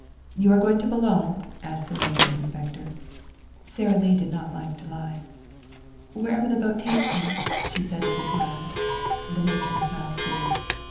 "You are going to Boulogne?" asked the matron inspector. Sara Lee did not like to lie. "Wherever the boat takes me," she said with smile. The matron smiled too.